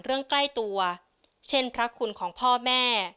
ใกล้ตัวเช่นพระคุณของพ่อแม่